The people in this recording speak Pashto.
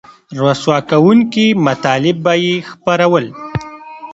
رسوا کوونکي مطالب به یې خپرول